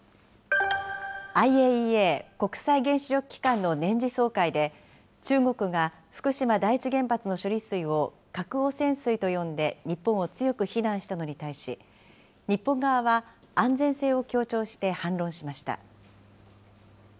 ＩＡＥＡ・国際原子力機関の年次総会で、中国が福島第一原発の処理水を核汚染水と呼んで日本を強く非難したのに対し、日本側は安全性を強調して反論しました。